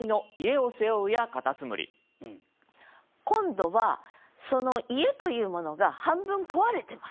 今度はその家というものが半分壊れてます。